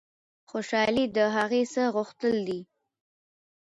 خوشحالي د هغه څه غوښتل دي.